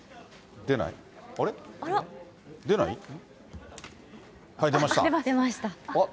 出ました。